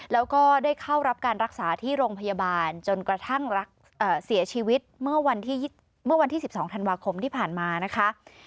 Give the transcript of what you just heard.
แล้วก็ได้เข้ารับการรักษาที่โรงพยาบาลจนกระทั่งเสียชีวิตเมื่อวันที่๑๒ธันวาคมที่ผ่านมานะคะ